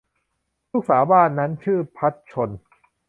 ลูกสาวบ้านนั้นชื่อพรรษชล